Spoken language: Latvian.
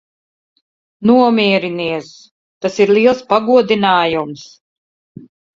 Nomierinies. Tas ir liels pagodinājums.